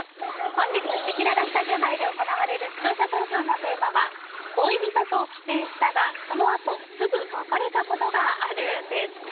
本日、せきららスタジオ内で行われる視聴者投票のテーマは恋人と帰省したが、その後すぐ別れたことがある？です。